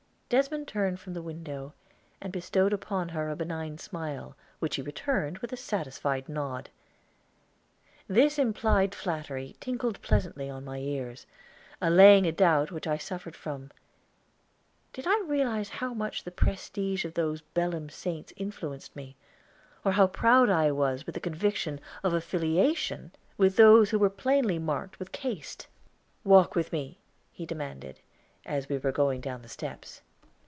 Desmond turned from the window, and bestowed upon her a benign smile, which she returned with a satisfied nod. This implied flattery tinkled pleasantly on my ears, allaying a doubt which I suffered from. Did I realize how much the prestige of those Belem saints influenced me, or how proud I was with the conviction of affiliation with those who were plainly marked with Caste? "Walk with me," he demanded, as we were going down the steps.